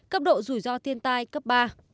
cấp độ rủi ro thiên tai cấp ba